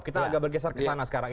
kita agak bergeser ke sana sekarang